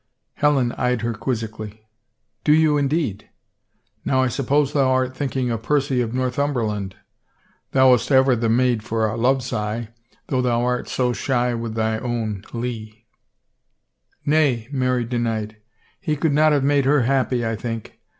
Helen eyed her quizzically. " Do you, indeed ?... Now I suppose thou art thinking of Percy of Northum berland. Thou wast ever the maid for a love sigh^ though thou art so shy with thy own Lee —"" Nay," Mary denied. " He could not have made her happy, I think.